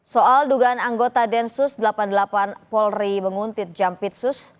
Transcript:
soal dugaan anggota densus delapan puluh delapan polri menguntit jampitsus